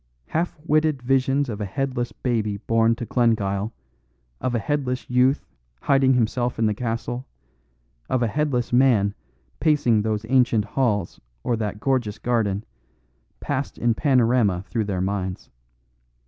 Half witted visions of a headless baby born to Glengyle, of a headless youth hiding himself in the castle, of a headless man pacing those ancient halls or that gorgeous garden, passed in panorama through their minds.